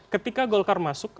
ketika golkar masuk